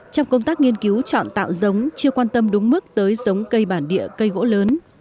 trong công tác nghiên cứu chọn tạo giống chưa quan tâm đúng mức tới giống cây bản địa cây gỗ lớn